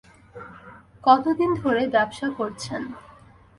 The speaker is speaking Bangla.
কত দিন ধরে ব্যবসা করছেন?